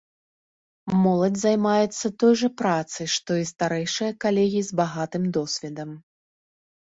Моладзь займаецца той жа працай, што і старэйшыя калегі з багатым досведам.